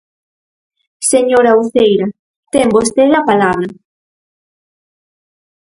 Señora Uceira, ten vostede a palabra.